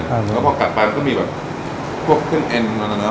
ครับผมแล้วพอกัดไปมันก็มีแบบพวกขึ้นเอ็นมันแล้วเนอะ